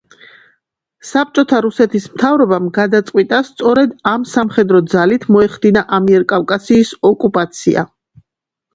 საბჭოთა რუსეთის მთავრობამ გადაწყვიტა, სწორედ ამ სამხედრო ძალით მოეხდინა ამიერკავკასიის ოკუპაცია.